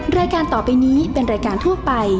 แม่บ้านประจันบรรย์